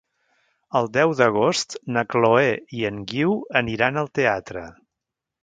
El deu d'agost na Chloé i en Guiu aniran al teatre.